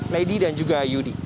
lady dan juga yudi